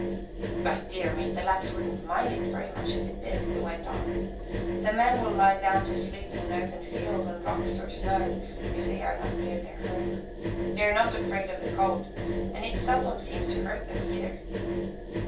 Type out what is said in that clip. "But, dear me! the Lapps wouldn't mind it very much if it did," he went on. "The men will lie down to sleep in an open field on rocks or snow, if they are not near their home. They are not afraid of the cold, and it seldom seems to hurt them, either.